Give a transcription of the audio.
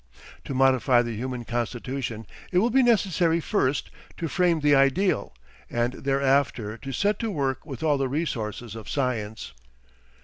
... "To modify the human constitution, it will be necessary first, to frame the ideal, and thereafter to set to work with all the resources of science.